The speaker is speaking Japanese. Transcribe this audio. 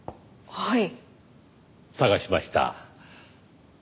はい。